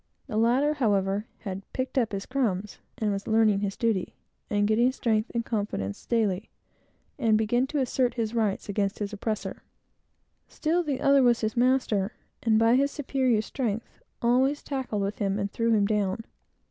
The latter, however, had "picked up his crumbs," was learning his duty, and getting strength and confidence daily; and began to assert his rights against his oppressor. Still, the other was his master, and, by his superior strength, always tackled with him and threw him down.